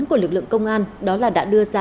của lực lượng công an đó là đã đưa ra